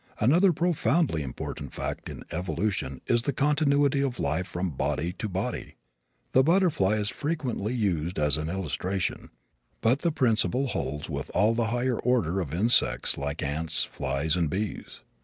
Another profoundly important fact in evolution is the continuity of life from body to body. The butterfly is frequently used as an illustration, but the principle holds with all the higher order of insects like ants, flies and bees.